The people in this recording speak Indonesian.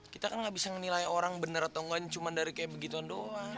kita kan gak bisa ngenilai orang bener atau enggak cuma dari kayak begituan doang